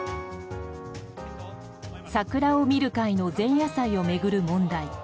桜を見る会の前夜祭を巡る問題。